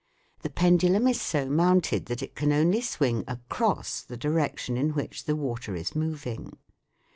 The pendulum is so mounted that it can only swing across the direction in which the water is moving.